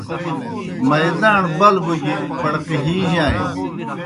مائداݨ بلبوگیْ پڑقِہِیجانیْ۔